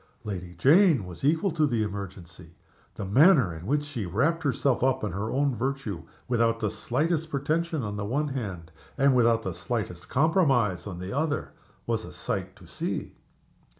Lady Jane was equal to the emergency. The manner in which she wrapped herself up in her own virtue, without the slightest pretension on the one hand, and without the slightest compromise on the other, was a sight to see.